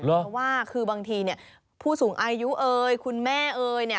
เพราะว่าคือบางทีเนี่ยผู้สูงอายุเอ่ยคุณแม่เอ๋ยเนี่ย